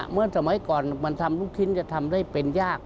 เมื่อสมัยก่อนมันทำลูกชิ้นจะทำได้เป็นยาก